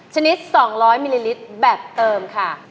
ชนิด๒๐๐มิลลิลิตรแบบเติมค่ะ